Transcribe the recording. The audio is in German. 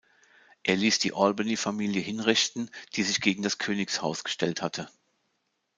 Er ließ die Albany-Familie hinrichten, die sich gegen das Königshaus gestellt hatte.